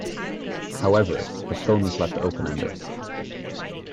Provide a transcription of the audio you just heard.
However, the film is left open-ended.